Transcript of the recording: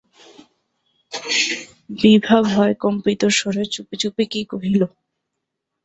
বিভা ভয়কম্পিত স্বরে চুপি চুপি কী কহিল।